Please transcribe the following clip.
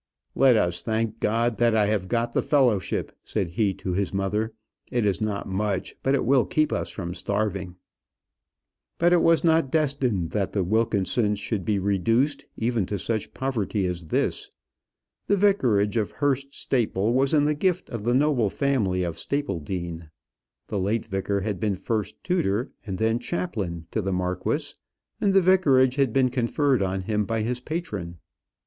"Let us thank God that I have got the fellowship," said he to his mother. "It is not much, but it will keep us from starving." But it was not destined that the Wilkinsons should be reduced even to such poverty as this. The vicarage of Hurst Staple was in the gift of the noble family of Stapledean. The late vicar had been first tutor and then chaplain to the marquis, and the vicarage had been conferred on him by his patron.